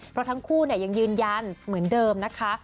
เพราะทั้งคู่ยังยืนยันเหมือนเดิมนะคะ